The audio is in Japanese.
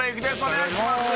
お願いします